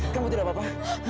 kamu tidak apa apa